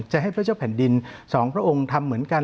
จะให้พระเจ้าแผ่นดินสองพระองค์ทำเหมือนกัน